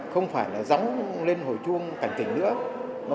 không phải là dóng lên hồi chuông cảnh tỉnh nữa